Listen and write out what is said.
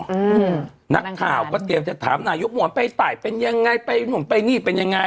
อืมนักข่าวก็เตรียมจะถามนายกหมอนไปตายเป็นยังไงไปนู่นไปนี่เป็นยังไง